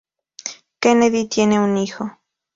Kennedy tiene un hijo.